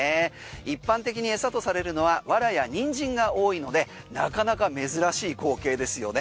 一般的に餌とされるのはわらや人参が多いのでなかなか珍しい光景ですよね。